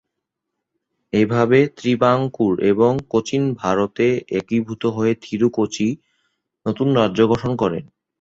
এভাবে ত্রিবাঙ্কুর এবং কোচিন ভারতে একীভূত হয়ে থিরু-কোচি নতুন রাজ্য গঠন করেন।